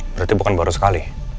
berarti bukan baru sekali